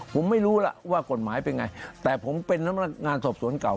ผมไม่รู้ล่ะว่ากฎหมายเป็นไงแต่ผมเป็นพนักงานสอบสวนเก่า